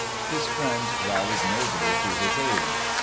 His friends rallied nobly to his aid.